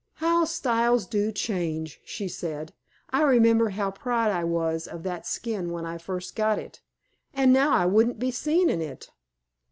"How styles do change," she said. "I remember how proud I was of that skin when I first got it, and now I wouldn't be seen in it."